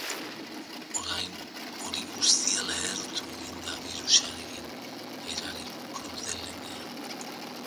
Orain hori guztia lehertu egin da birusarekin erarik krudelenean.